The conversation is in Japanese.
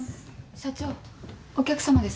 社長お客様です。